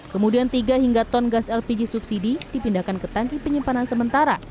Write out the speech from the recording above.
kemudian tiga hingga ton gas lpg subsidi dipindahkan ke tangki penyimpanan sementara